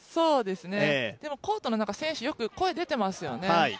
でもコートの中、選手、よく声出ていますよね。